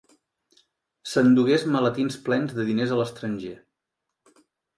S'endugués maletins plens de diners a l'estranger.